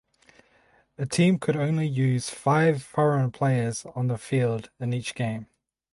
A team could use only five foreign players on the field in each game.